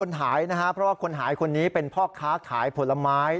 คนหายนะครับเพราะว่าคนหายคนนี้เป็นพ่อค้าขายผลไม้